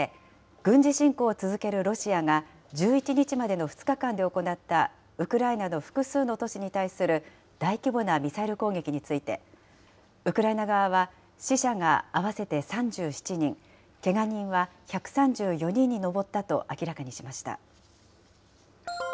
軍事侵攻を続けるロシアが１１日までの２日間で行ったウクライナの複数の都市に対する大規模なミサイル攻撃について、ウクライナ側は死者が合わせて３７人、けが人は１３４人に上ったと明らかにしました。